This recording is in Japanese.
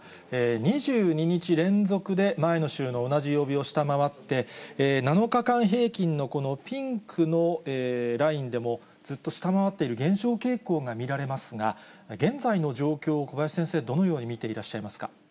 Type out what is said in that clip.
２２日連続で前の週の同じ曜日を下回って、７日間平均のこのピンクのラインでも、ずっと下回っている、減少傾向が見られますが、現在の状況を、小林先生、どのように見ていらっしゃいますか？